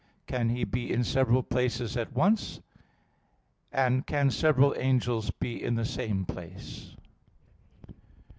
(2) Can he be in several places at once? (3) Can several angels be in the same place?